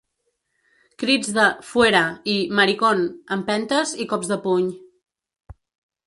Crits de ‘fuera’ i ‘maricón’, empentes i cops de puny.